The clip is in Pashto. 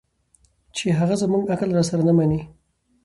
چې هغه زموږ عقل راسره نه مني